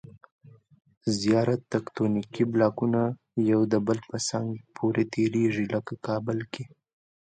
زیاره تکتونیکي بلاکونه یو د بل په څنګ پورې تېریږي. لکه کابل کې